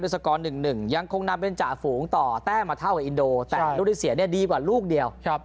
ด้วยสกอร์หนึ่งหนึ่งยังคงนำเป็นจ่าฝูงต่อแต้งมาเท่าอินโดรีเซียเนี่ยดีกว่าลูกเดียวนะครับ